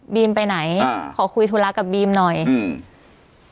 ไปไหนอ่าขอคุยธุระกับบีมหน่อยอืม